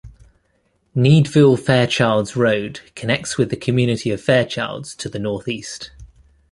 Needville-Fairchilds Road connects with the community of Fairchilds to the northeast.